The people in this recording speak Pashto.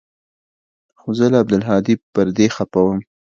خو زه له عبدالهادي پر دې خپه وم.